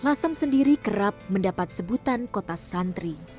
lasem sendiri kerap mendapat sebutan kota santri